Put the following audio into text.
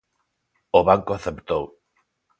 O banco aceptou.